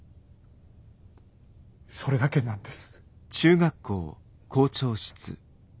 それだけなんです。